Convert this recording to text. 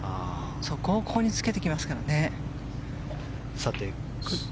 そこをここにつけてきますから。